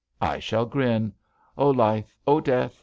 '' I shall grin. Oh Life! Oh Death!